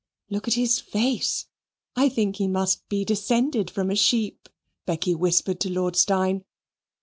"Look at his face. I think he must be descended from a sheep," Becky whispered to Lord Steyne.